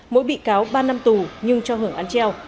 mỗi bị cáo ba năm tù nhưng cho hưởng án treo